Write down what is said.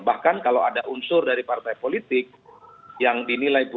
bahkan kalau ada unsur dari partai politik yang dinilai